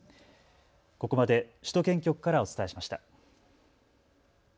ここまで首都圏局からお伝えしました。